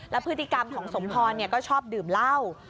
พฤติกรรมของสมพรก็ชอบดื่มเหล้า